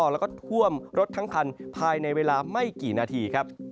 แล้วก็ท่วมรถทั้งคันภายในเวลาไม่กี่นาทีครับ